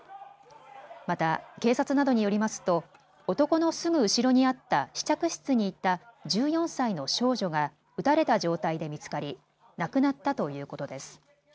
また、警察などによりますと男のすぐ後ろにあった試着室にいた１４歳の少女が撃たれた状態で見つかり亡くなったということです。